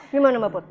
gimana mbak put